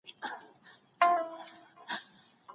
بې پلانه ژوند د ناکامۍ پیل دی.